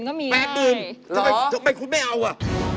ทำไมคุณไม่เอาอ่ะ